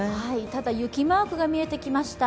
ただ雪マークが見えてきました。